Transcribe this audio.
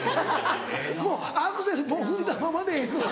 もうアクセル踏んだままでええのか？